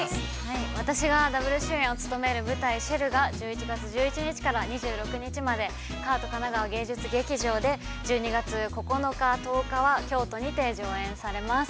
◆私がＷ主演を務める舞台「ＳＨＥＬＬ」が１１月１１日から２６日までＫＡＡＴ神奈川芸術劇場、１２月９日・１０日は京都にて上演されます。